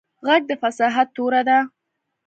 غږ د فصاحت توره ده